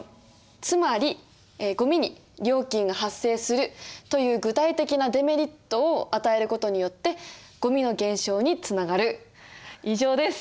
「つまりゴミに『料金が発生する』という具体的なデメリットを与えることによってゴミの減少に繋がる」以上です。